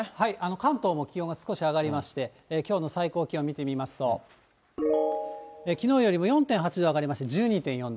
関東も気温が少し上がりまして、きょうの最高気温見てみますと、きのうよりも４．８度上がりまして、１２．４度。